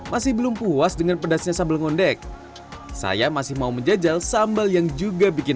masih belum puas dengan pedasnya sambal ngondek saya masih mau menjajal sambal yang juga bikin